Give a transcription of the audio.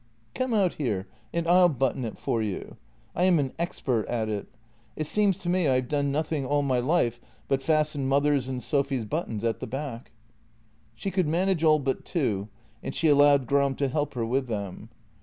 " Come out here and I'll button it for you. I am an expert at it. It seems to me I have done nothing all my 100 JENNY life but fasten mother's and Sophy's buttons at the back." She could manage all but two, and she allowed Gram to help her with them.